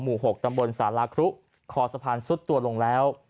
๖ตำบลสาราครุคอสะพานซุดตัวลงแล้ว